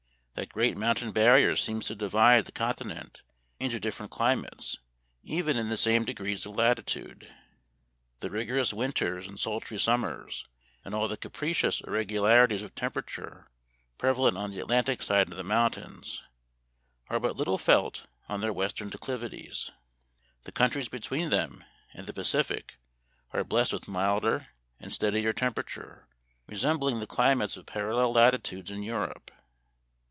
That great mountain barrier seems to divide the con tinent into different climates, even in the same degrees of latitude. The rigorous winters and sultry summers, and all the capricious irregu larities of temperature prevalent on the Atlantic side of the mountains, are but little felt on their western declivities. The countries between them and the Pacific are blessed with milder and steadier temperature, resembling the cli mates of parallel latitudes in Europe.